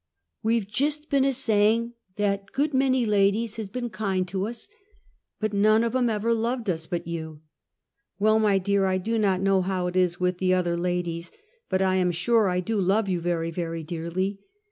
" We've jist been a sayin' that good many ladies has been kind to us, but none uv 'em ever loved us but you!" " Well, my dear, I do not know how it is with the other ladies, but I am sure I do love you very, very dearly!